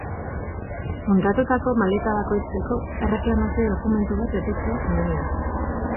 Hondatutako maleta bakoitzeko erreklamazio dokumentu bat betetzea komeni da.